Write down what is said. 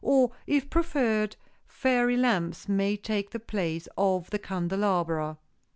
Or, if preferred, fairy lamps may take the place of the candelabra.